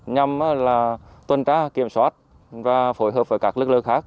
như là tuần tra kiểm soát và phối hợp với các lực lượng khác